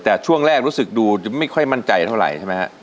แต่ช่วงแรกรู้สึกดูไม่ค่อยมั่นใจเท่าไหร่ใช่ไหมฮะ